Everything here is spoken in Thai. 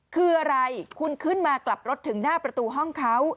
คืออะไรคุณขึ้นมากลับรถถึงหน้าประตูห้องเขา